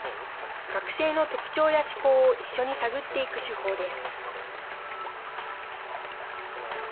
学生の特徴や思考を一緒に探っていく手法です。